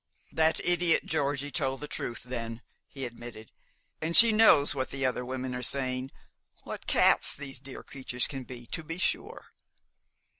"That idiot Georgie told the truth, then," he admitted. "And she knows what the other women are saying. What cats these dear creatures can be, to be sure!"